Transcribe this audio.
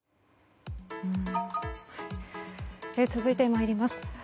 続いて、参ります。